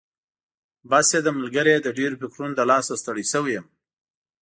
بس یې ده ملګري، د ډېرو فکرونو له لاسه ستړی شوی یم.